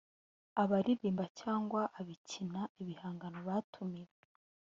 abaririmba cyangwa abakina ibihangano batumiwe